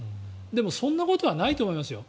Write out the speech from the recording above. でもそんなことはないと思いますよ。